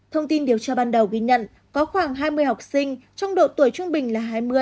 thông tin điều tra ban đầu ghi nhận có khoảng hai mươi học sinh trong độ tuổi trung bình là hai mươi